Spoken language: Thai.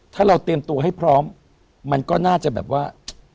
ถ้าเราเตรียมตัวให้พร้อมมันก็น่าจะแบบว่า